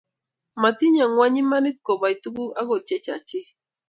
Motinye kwony imanit koboi tuguk agot che chachi